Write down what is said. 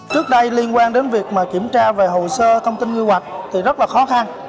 trước đây liên quan đến việc kiểm tra về hồ sơ thông tin quy hoạch thì rất là khó khăn